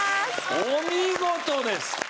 お見事です！